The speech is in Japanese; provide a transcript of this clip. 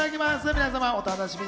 皆様、お楽しみに。